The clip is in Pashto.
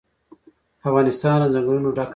افغانستان له ځنګلونه ډک دی.